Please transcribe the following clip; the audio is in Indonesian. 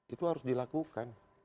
itu harus dilakukan